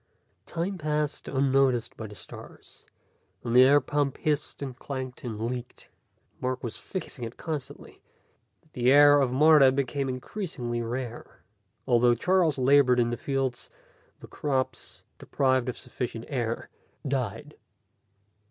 Time passed unnoticed by the stars, and the air pump hissed and clanked and leaked. Mark was fixing it constantly, but the air of Martha became increasingly rare. Although Charles labored in the fields, the crops, deprived of sufficient air, died.